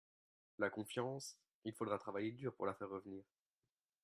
La confiance, il faudra travailler dur pour la faire revenir.